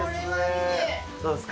どうですか？